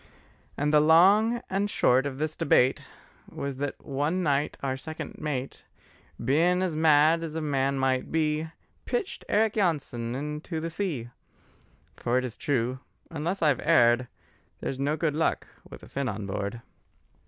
And the long and short of this debate Was that one night our second mate, Bein' as mad as a man might be, Pitched Eric Jansen into the sea: For it is true, unless I've erred, There's no good luck with a Finn on board.